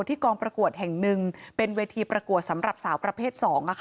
กองประกวดแห่งหนึ่งเป็นเวทีประกวดสำหรับสาวประเภท๒